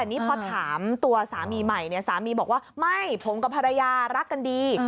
นี่พอถามตัวสามีใหม่เนี่ยสามีบอกว่าไม่ผมกับภรรยารักกันดี